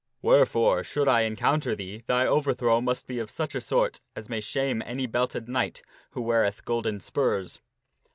Wherefore, should I encounter thee, thy over throw must be of such a sort as may shame any belted knight who weareth golden spurs."